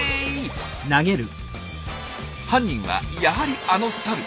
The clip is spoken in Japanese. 犯人はやはりあのサル。